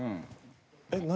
えっ何？